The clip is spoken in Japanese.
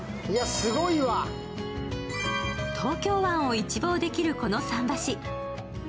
東京湾を一望できるこの桟橋。